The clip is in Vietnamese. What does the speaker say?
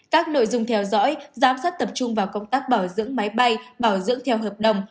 các nội dung theo dõi giám sát tập trung vào công tác bảo dưỡng máy bay bảo dưỡng theo hợp đồng